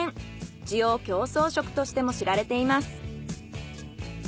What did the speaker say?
滋養強壮食としても知られています。